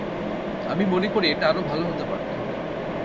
আমি মনে করি এটা আরও ভালো হতে পারত।